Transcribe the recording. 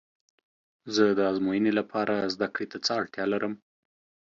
زه د ازموینې لپاره زده کړې ته څه اړتیا لرم؟